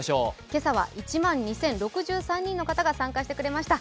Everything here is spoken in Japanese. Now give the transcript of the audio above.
今朝は１万２０６３人の方が参加してくださいました。